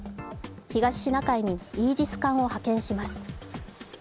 東シナ海にイージス艦を派遣します。